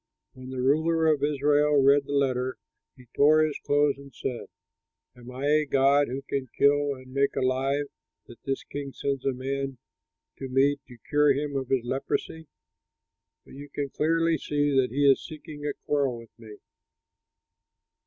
When the ruler of Israel read the letter, he tore his clothes and said, "Am I a god, who can kill and make alive, that this king sends a man to me to cure him of his leprosy? But you can clearly see that he is seeking a quarrel with me!"